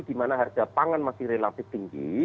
di mana harga pangan masih relatif tinggi